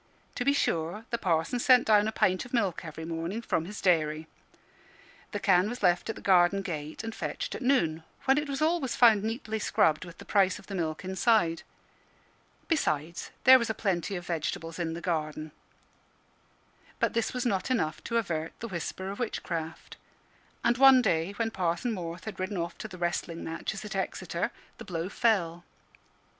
To be sure, the Parson sent down a pint of milk every morning from his dairy; the can was left at the garden gate and fetched at noon, when it was always found neatly scrubbed, with the price of the milk inside. Besides, there was a plenty of vegetables in the garden. But this was not enough to avert the whisper of witchcraft. And one day, when Parson Morth had ridden off to the wrestling matches at Exeter, the blow fell.